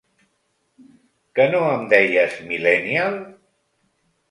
Que no em deies mil·lènnial?